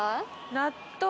納豆。